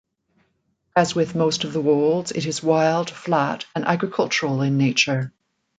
As with most of the wolds, it is wide, flat and agricultural in nature.